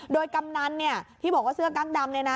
โดยกำนันเนี่ยที่บอกว่าเสื้อกลั้งดำเลยนะ